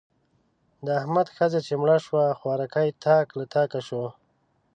د احمد ښځه چې مړه شوه؛ خوارکی تاک له تاکه شو.